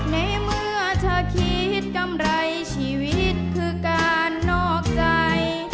ในเมื่อเธอคิดกำไรชีวิตคือการนอกใจ